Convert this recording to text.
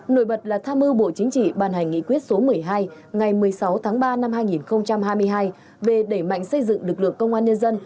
nổi bật là tham mưu bộ chính trị ban hành nghị quyết số một mươi hai ngày một mươi sáu tháng ba năm hai nghìn hai mươi hai về đẩy mạnh xây dựng lực lượng công an nhân dân